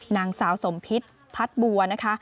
นางสาวสมพิษพัดบัวนะคะ